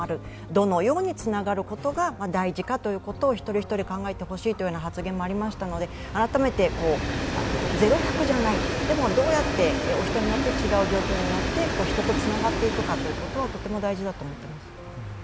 どのようにつながることが大事かということを一人一人考えてほしいというような発言もありましたので、改めて０・１００じゃない、でもどうやって人によって違う状況によって人とつながるか、とても大事だと思っています。